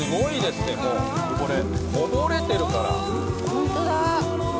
ホントだ。